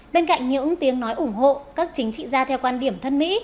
bên cạnh những tiếng nói ủng hộ các chính trị gia theo quan điểm thân mỹ